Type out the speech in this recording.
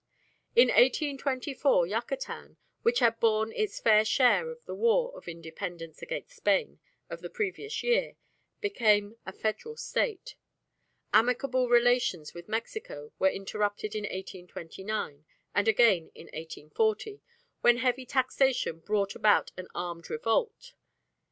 In 1824 Yucatan, which had borne its fair share in the War of Independence against Spain of the previous year, became a Federal State. Amicable relations with Mexico were interrupted in 1829 and again in 1840, when heavy taxation brought about an armed revolt.